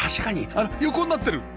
あら横になってる！